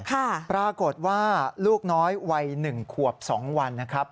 ค่ะปรากฏว่าลูกน้อยไว้๑ขวบ๒วันนะครับ